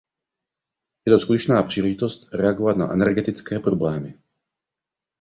Je to skutečná příležitost reagovat na energetické problémy.